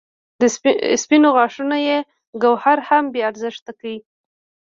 سپینو غاښونو یې ګوهر هم بې ارزښته کړ.